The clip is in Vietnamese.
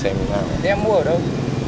thế em mua ở đâu